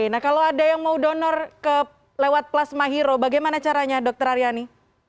nah kalau ada yang mau donor lewat plasma hero bagaimana caranya dr aryani